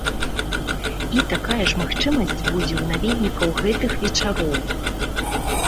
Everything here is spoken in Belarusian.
І такая ж магчымасць будзе ў наведнікаў гэтых вечароў.